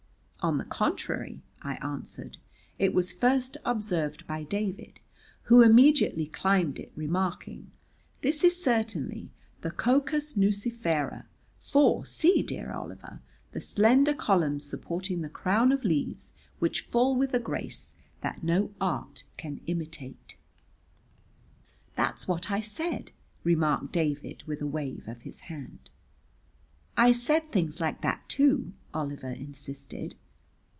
"On the contrary," I answered, "it was first observed by David, who immediately climbed it, remarking, 'This is certainly the cocos nucifera, for, see, dear Oliver, the slender columns supporting the crown of leaves which fall with a grace that no art can imitate.'" "That's what I said," remarked David with a wave of his hand. "I said things like that, too," Oliver insisted.